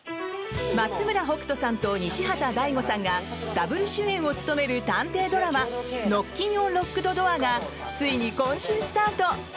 松村北斗さんと西畑大吾さんがダブル主演を務める探偵ドラマ「ノッキンオン・ロックドドア」がついに今週スタート！